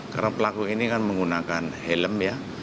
karena pelaku ini kan menggunakan helm ya